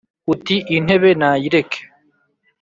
uti: “intebe nayireke